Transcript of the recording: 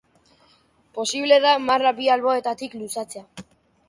Posible da marra bi alboetatik luzatzea.